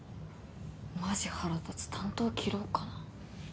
マジ腹立つ担当切ろうかな。